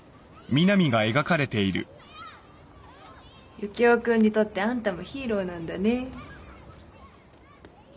ユキオ君にとってあんたもヒーローなんだね。